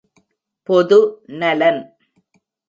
பொது நலன்.